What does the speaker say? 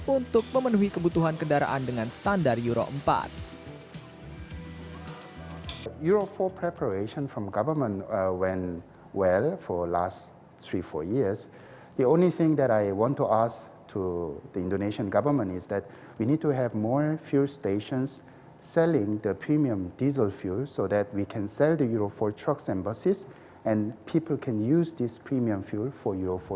untuk memenuhi kebutuhan kendaraan dengan standar euro empat